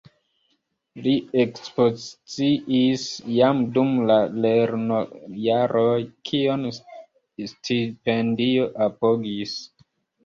Li ekspoziciis jam dum la lernojaroj, kion stipendio apogis.